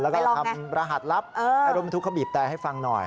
แล้วก็ทำรหัสลับอารมณ์ทุกข้อบีบแต่ให้ฟังหน่อย